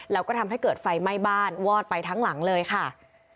แล้วก็ทำให้เกิดไฟไหม้บ้านวอดไปทั้งหลังเลยค่ะ